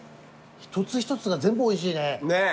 一つ一つが全部おいしいね。ねぇ。